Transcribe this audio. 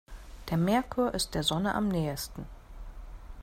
Der Merkur ist der Sonne am nähesten.